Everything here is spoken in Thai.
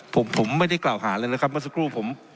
ผมผมไม่ได้กล่าวหาเลยนะครับเมื่อสักครู่ผม